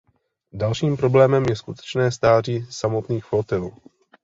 Dalším problémem je skutečné stáří samotných flotil.